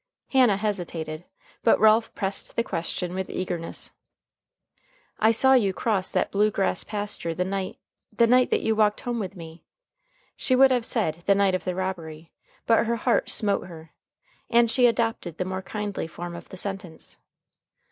Hannah hesitated, but Ralph pressed the question with eagerness. "I saw you cross that blue grass pasture the night the night that you walked home with me." She would have said the night of the robbery, but her heart smote her, and she adopted the more kindly form of the sentence.